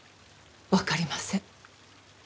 わかりません。